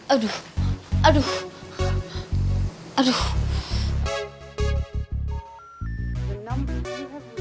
aduh aduh aduh